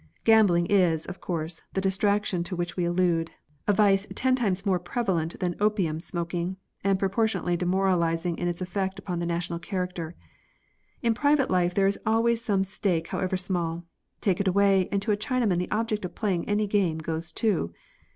Gambling is, of course, the distraction to which we allude ; a vice ten times more prevalent than opium smoking, and proportionately demoralising in its effect upon the national character. In private life, there is always some stake however small ; take it away, and to a Chinaman the object of playing any game goes too.